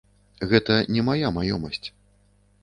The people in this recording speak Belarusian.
Гэта не мая маёмасць.